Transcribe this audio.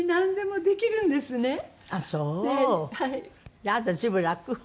じゃああなた随分楽？